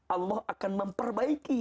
allah akan memperbaiki